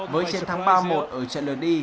với chiến thắng ba một ở trận đợt đi